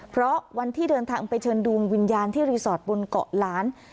เพราะวันที่เดินทางไปเชิญดวงวิญญาณที่รีสอร์ทบนเกาะล้าน